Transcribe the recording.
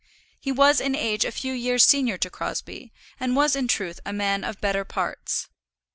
He was in age a few years senior to Crosbie, and was in truth a man of better parts.